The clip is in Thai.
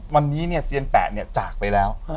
วันนี้เนี่ยเซียนแปะเนี่ยจากไปแล้ว